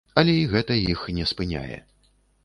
Але і гэта іх не спыняе.